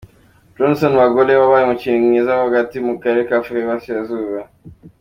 Johnson Bagoole wabaye umukinnyi mwiza wo hagati mu Karere ka Afurika y’Uburasirazuba.